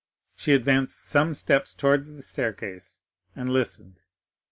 She advanced some steps towards the staircase, and listened.